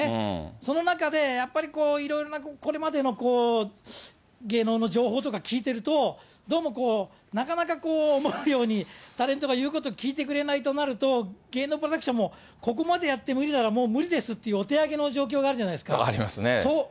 その中で、やっぱりいろいろなこれまでの芸能の情報とか聞いてると、どうもこう、なかなか思うようにタレントが言うことを聞いてくれないとなると、芸能プロダクションも、ここまでやって無理ならもう無理ですっていう、お手上げの状況がありますね、ときどき。